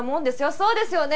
そうですよね？